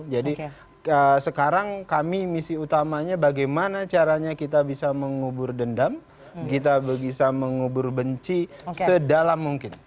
jadi sekarang kami misi utamanya bagaimana caranya kita bisa mengubur dendam kita bisa mengubur benci sedalam mungkin